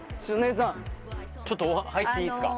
ちょっと入っていいですか。